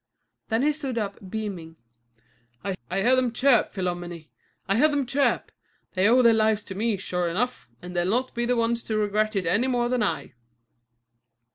Then he stood up beaming: "I hear them chirp, Philomène; I hear them chirp. They owe their lives to me, sure enough, and they'll not be the ones to regret it any more than I."